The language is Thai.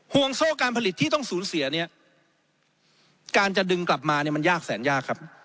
โซ่การผลิตที่ต้องสูญเสียเนี่ยการจะดึงกลับมาเนี่ยมันยากแสนยากครับ